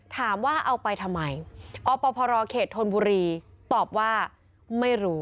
ถามว่าเอาไปทำไมอพรเขตธนบุรีตอบว่าไม่รู้